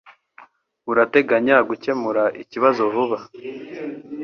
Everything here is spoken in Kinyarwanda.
Urateganya gukemura ikibazo vuba